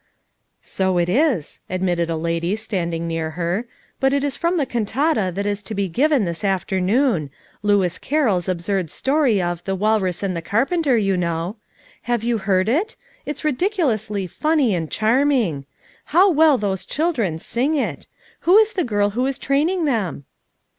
"So it is," admitted a lady standing near her. "But it is from the cantata that is to be given this afternoon; Lewis Carroll's absurd story of "The Walrus and the Carpenter,' you know. Have you heard it? It's ridiculously funny, and charming. How well those chil dren sing it! Who is the girl who is training them?"